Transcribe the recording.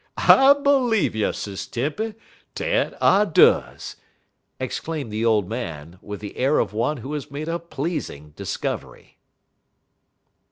"I b'leeve you, Sis Tempy, dat I does!" exclaimed the old man, with the air of one who has made a pleasing discovery.